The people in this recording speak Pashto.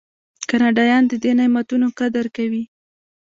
کاناډایان د دې نعمتونو قدر کوي.